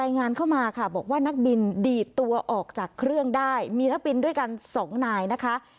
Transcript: นักบินดีดตัวออกจากเครื่องได้มีนักบินด้วยกันสองนายนะคะ